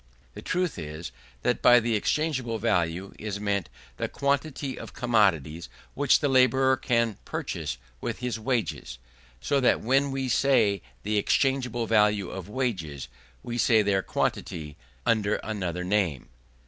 The truth is, that by the exchangeable value is meant the quantity of commodities which the labourer can purchase with his wages; so that when we say the exchangeable value of wages, we say their quantity, under another name.